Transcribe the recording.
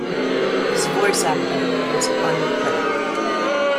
His voice actor was uncredited.